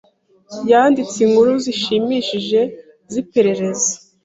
Yanditse inkuru zishimishije ziperereza.